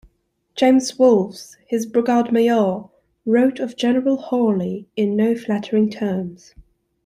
James Wolfe, his brigade-major, wrote of General Hawley in no flattering terms.